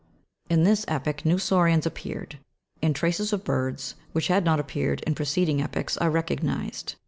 In this epoch new saurians appeared, and traces of birds, which had not appeared in preceding epochs, are recognised.